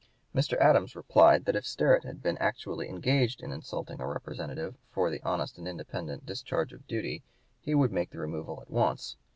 Mr. Adams replied that if Sterret had been actually engaged in insulting a representative for the honest and independent discharge of duty, he would make the removal at once.